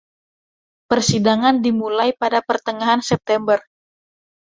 Persidangan dimulai pada pertengahan September.